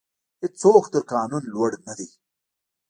هیڅوک تر قانون لوړ نه دی.